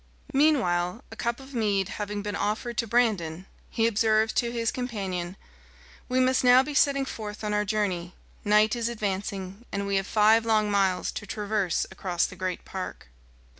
Meanwhile, a cup of mead having been offered to Brandon, he observed to his companion, "We must now be setting forth on our journey. Night is advancing, and we have five long miles to traverse across the great park."